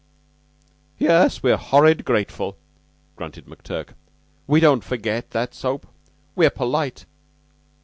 "Yes, we're horrid grateful," grunted McTurk. "We don't forget that soap. We're polite.